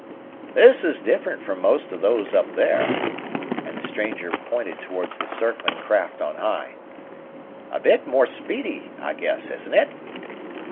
"This is different from most of those up there," and the stranger pointed toward the circling craft on high. "A bit more speedy, I guess, isn't it?"